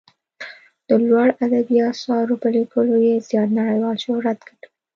د لوړو ادبي اثارو په لیکلو یې زیات نړیوال شهرت ګټلی.